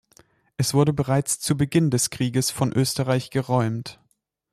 Es wurde bereits zu Beginn des Krieges von Österreich geräumt.